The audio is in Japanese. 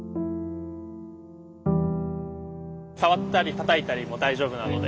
触ったりたたいたりも大丈夫なので。